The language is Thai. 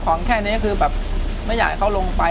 ของแค่นี้คือแบบไม่อยากให้เขาลงไป